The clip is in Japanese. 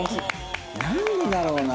なんでだろうな？